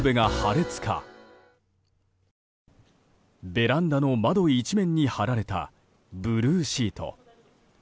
ベランダの窓一面に張られたブルーシート。